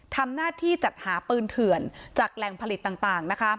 ทำหน้าที่จัดหาปืนเถื่อนจากแหล่งผลิตต่างนะคะ